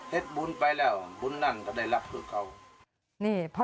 บุญไปแล้วบุญนั่นก็ได้รับชุดเขา